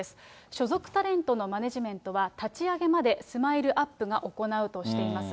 所属タレントのマネジメントは、立ち上げまでＳＭＩＬＥーＵＰ．が行うとしています。